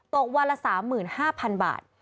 ตกวันละ๓๕๐๐๐บาท